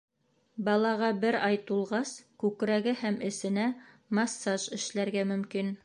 Балаға бер ай тулғас, күкрәге һәм эсенә массаж эшләргә мөмкин.